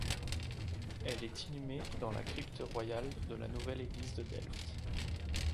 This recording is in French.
Elle est inhumée dans la crypte royale de la Nouvelle Église de Delft.